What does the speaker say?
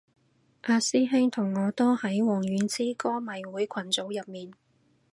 阿師兄同我都喺王菀之歌迷會群組入面